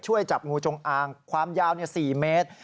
จับงูจงอางความยาว๔เมตร